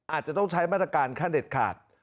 อาจจะต้องใช้มาตรการขั้นเด็ดขาด